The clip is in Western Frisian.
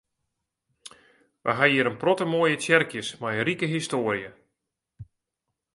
Wy ha hjir in protte moaie tsjerkjes mei in rike histoarje.